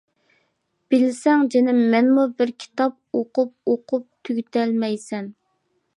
بىلسەڭ جېنىم مەنمۇ بىر كىتاب، ئوقۇپ-ئوقۇپ تۈگىتەلمەيسەن.